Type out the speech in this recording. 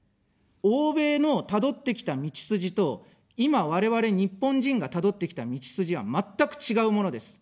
欧米のたどってきた道筋と、今、我々日本人がたどってきた道筋は全く違うものです。